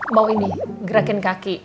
mau ini gerakin kaki